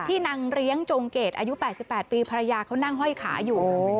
นางเลี้ยงจงเกตอายุ๘๘ปีภรรยาเขานั่งห้อยขาอยู่